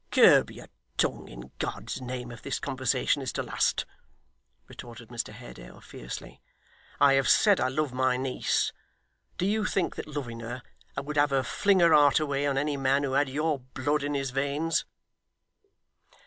'Curb your tongue, in God's name, if this conversation is to last,' retorted Mr Haredale fiercely. 'I have said I love my niece. Do you think that, loving her, I would have her fling her heart away on any man who had your blood in his veins?